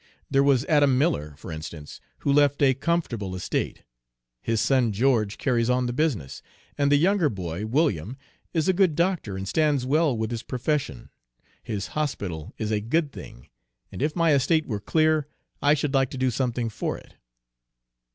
There was Adam Miller, for instance, who left a comfortable estate. His son George carries on the business, and the younger boy, William, is a good doctor and stands well with his profession. His hospital is a good thing, and if my estate were clear, I should like to do something for it."